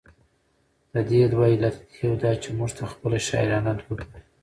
د دې دوه علته دي، يو دا چې، موږ ته خپله شاعرانه دود وايي،